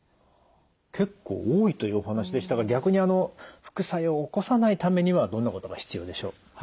結構多いというお話でしたが逆にあの副作用を起こさないためにはどんなことが必要でしょう？